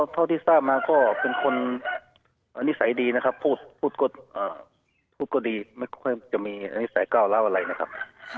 เท่าที่ทราบมาก็เป็นคนนิสัยดีนะครับพูดก็พูดก็ดีไม่ค่อยจะมีนิสัยก้าวเล่าอะไรนะครับ